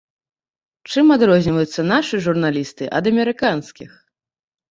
Чым адрозніваюцца нашы журналісты ад амерыканскіх?